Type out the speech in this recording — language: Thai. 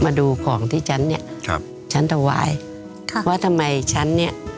มาดูของที่ฉันเนี้ยครับฉันถวายค่ะว่าทำไมฉันเนี้ย